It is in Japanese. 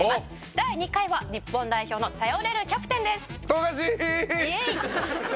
第２回は日本代表の頼れるキャプテンです。